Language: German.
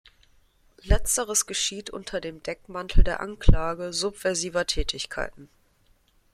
Letzteres geschieht unter dem Deckmantel der Anklage subversiver Tätigkeiten.